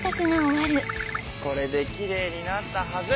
これできれいになったはず。